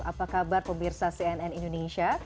apa kabar pemirsa cnn indonesia